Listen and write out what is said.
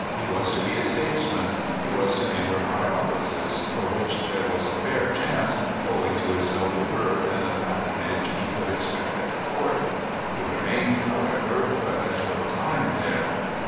He was to be a statesman ; he was to enter high offices, for which there was a fair chance, owing to his noble birth and the patron age he could expect at the Court He remained, however, but a short time there.